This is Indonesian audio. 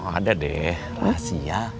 ada deh rahasia